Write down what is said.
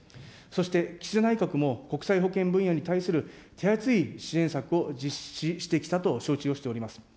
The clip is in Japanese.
そして岸田内閣も国際保健分野に関する手厚い支援策を実施してきたと承知をしております。